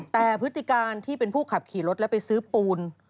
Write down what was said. แต่พฤติการที่เป็นผู้ขับขี่รถแล้วไปซื้อปูน